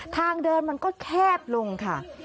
ทางเดินมันก็แคบลงค่ะ